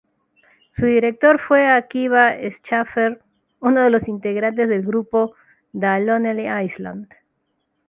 Su director fue Akiva Schaffer, uno de los integrantes del grupo The Lonely Island.